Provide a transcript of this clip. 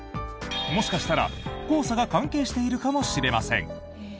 もしかしたら黄砂が関係しているかもしれません。